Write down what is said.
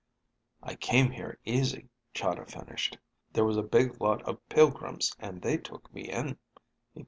"I came here easy," Chahda finished. "There was a big lot of pilgrims and they took me in."